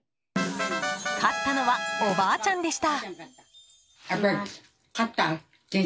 勝ったのは、おばあちゃんでした。